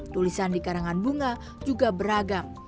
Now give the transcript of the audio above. tulisan di karangan bunga juga beragam